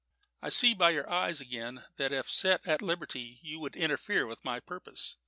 I see by your eyes again that if set at liberty you would interfere with my purpose.